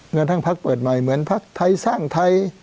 กระทั่งพักเปิดใหม่เหมือนพักไทยสร้างไทย